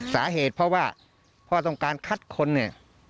สาเหตุเพราะว่าพ่อต้องการคัดคนเนี่ย